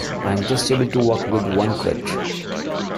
I am just able to walk with one crutch.